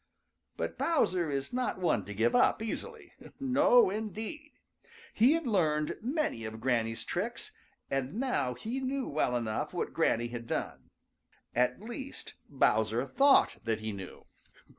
But Bowser is not one to give up easily. No, indeed! He had learned many of Granny's tricks, and now he knew well enough what Granny had done. At least, Bowser thought that he knew.